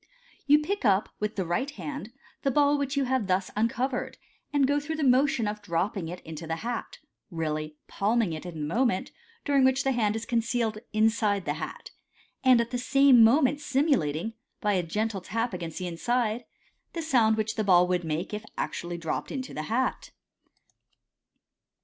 You pick up with the right hand the ball which you have thus uncovered, and go through the motion of dropping it into the hat, really palming it in the moment during which the hand is •8* MODERN MA GIC. concealed inside the hat, and at the same moment simulating, bj gentle tap against the inside, the sound which the ball would make if actually dropped into the hat.